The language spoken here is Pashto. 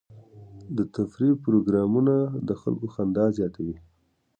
د تفریح پروګرامونه د خلکو خندا زیاتوي.